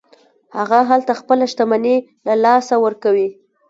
هغه هلته خپله شتمني له لاسه ورکوي.